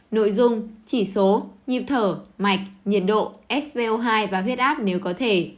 nội dung chỉ số nhịp thở mạch nhiệt độ svo hai và huyết áp nếu có thể